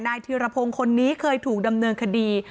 นายทีระพงคนนี้เคยถูกดำเนินคดี